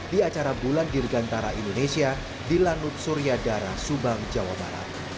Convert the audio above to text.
di acara bulan dirgantara indonesia di lanut suryadara subang jawa barat